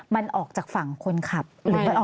มันออกจากฝั่งคนขับหรือมันออก